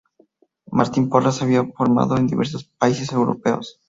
Martín Porras, se había formado en diversos países europeos.